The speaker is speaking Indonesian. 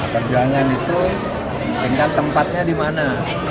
perjuangan itu tinggal tempatnya di mana